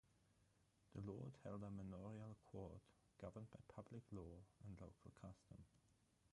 The lord held a manorial court, governed by public law and local custom.